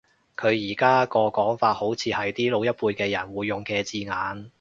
佢而家個講法好似係啲老一輩嘅人會用嘅字眼